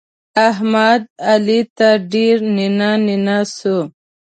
احمد؛ علي ته ډېر نينه نينه سو.